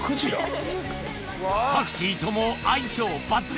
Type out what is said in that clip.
パクチーとも相性抜群